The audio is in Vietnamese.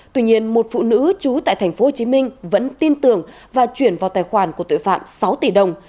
tuy nhiên một phụ nữ trú tại tp hcm vẫn tin tưởng và chuyển vào tài khoản của tội phạm sáu tỷ đồng